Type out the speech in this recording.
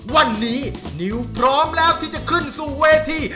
วันนี้นิวพร้อมแล้วที่จะขึ้นสู่เวที